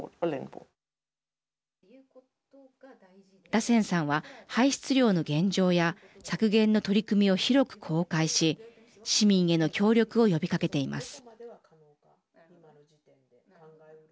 ラセンさんは排出量の現状や削減の取り組みを広く公開し市民への協力を呼びかけています。